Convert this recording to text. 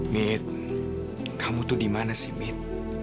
mit kamu tuh dimana sih mit